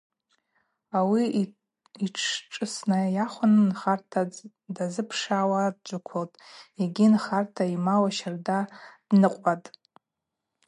Ауи йтшшӏыс найахвын нхарта дазыпшгӏауа дджвыквылтӏ йгьи нхарта ймауа щарда дныкъватӏ.